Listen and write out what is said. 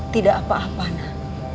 tidak apa apa nak